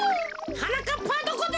はなかっぱはどこだ！